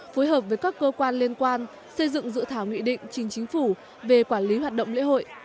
phối hợp với các cơ quan liên quan xây dựng dự thảo nghị định trình chính phủ về quản lý hoạt động lễ hội